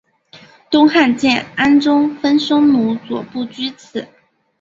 东汉建安中分匈奴左部居此。